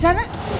ada bengke disana